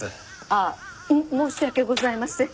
ああ申し訳ございません。